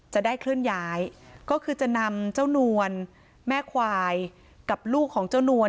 จะได้เคลื่อนย้ายก็คือจะนำเจ้านวลแม่ควายกับลูกของเจ้านวล